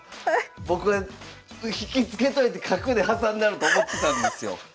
僕は引き付けといて角で挟んだろと思ってたんですよ。